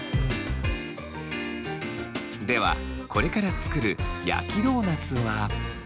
ではこれから作る焼きドーナツは。